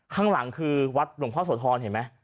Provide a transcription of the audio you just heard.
ข้างหลังคือวัดหลวงพ่อโสธรเห็นไหม